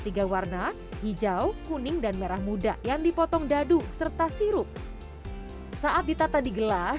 tiga warna hijau kuning dan merah muda yang dipotong dadu serta sirup saat ditata di gelas